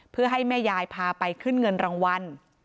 เพื่อให้แม่ยายพาไปขึ้นเงินรางวัล